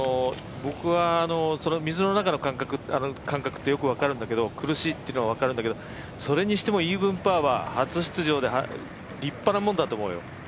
僕は水の中の感覚ってよく分かるんだけど苦しいっていうのは分かるんだけどそれにしてもイーブンパーは初出場で立派なもんだと思うよ。